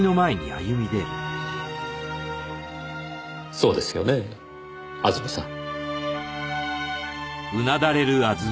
そうですよねあずみさん。